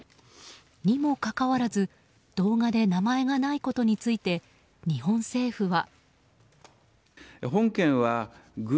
にもかかわらず動画で名前がないことについて日本政府は。